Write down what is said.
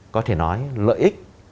có thể nói lợi ích